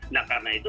nah karena itu